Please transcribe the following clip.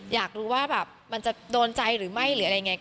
อยากรู้ว่ามันจะโดนใจหรือไม่หรืออะไรอย่างนี้